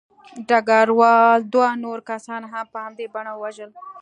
ډګروال دوه نور کسان هم په همدې بڼه ووژل